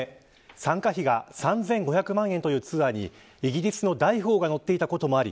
参加費が３５００万円というツアーにイギリスの大富豪が乗っていたこともあり